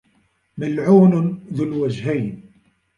مَلْعُونٌ ذُو الْوَجْهَيْنِ